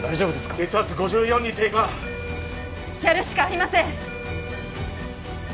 血圧５４に低下やるしかありません